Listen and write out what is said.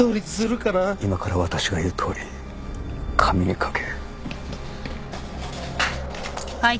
今から私が言うとおり紙に書け。